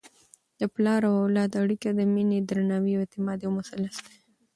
د پلار او اولاد اړیکه د مینې، درناوي او اعتماد یو مثلث دی.